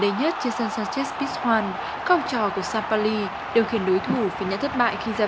đây nhất trên sân sanchez bichon có học trò của sao paulo đều khiến đối thủ phải nhận thất bại khi ra